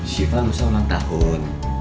syifa nusa ulang tahun